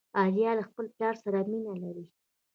عالیه له خپل پلار سره مینه لري.